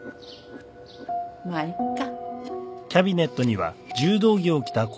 まっいっか。